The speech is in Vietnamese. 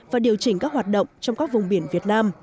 và điều chỉnh các hoạt động trong các vùng biển việt nam